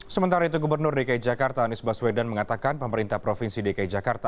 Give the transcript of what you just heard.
sementara itu gubernur dki jakarta anies baswedan mengatakan pemerintah provinsi dki jakarta